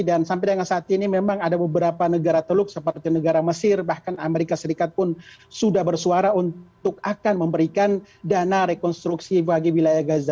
dan sampai saat ini memang ada beberapa negara teluk seperti negara mesir bahkan amerika serikat pun sudah bersuara untuk akan memberikan dana rekonstruksi bagi wilayah gaza